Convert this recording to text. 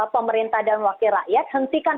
pemerintah dan wakil rakyat hentikan